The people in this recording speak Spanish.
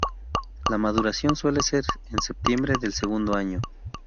La maduración suele ser en septiembre del segundo año.